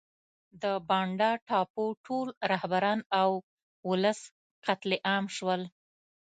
د بانډا ټاپو ټول رهبران او ولس قتل عام شول.